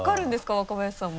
若林さんも。